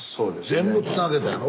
全部つなげたんやろ？